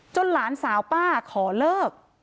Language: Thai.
หลานสาวป้าขอเลิก